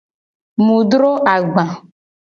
Mu dro agba.